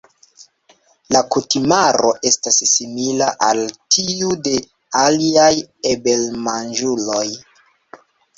La kutimaro estas simila al tiu de aliaj abelmanĝuloj.